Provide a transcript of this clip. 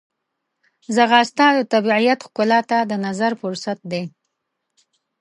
ځغاسته د طبیعت ښکلا ته د نظر فرصت دی